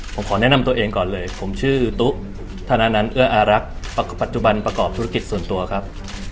ผมขอแนะนำตัวเองก่อนเลยผมชื่อตุ๊ธนันเอื้ออารักษ์ปัจจุบันประกอบธุรกิจส่วนตัวครับ